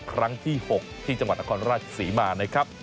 ครั้งที่๖ที่จังหวัดนครราชศรีมานะครับ